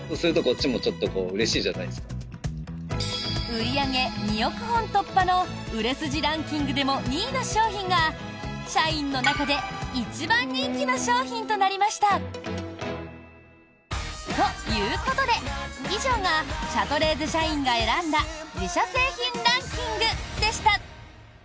売り上げ２億本突破の売れ筋ランキングでも２位の商品が社員の中で一番人気の商品となりました！ということで、以上がシャトレーゼ社員が選んだ自社製品ランキングでした。